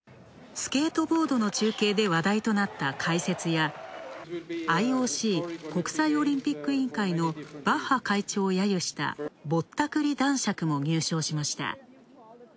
スケートボードの中継で話題となった解説や、ＩＯＣ＝国際オリンピック委員会のバッハ会長を揶揄したぼったくり男爵も入賞しました。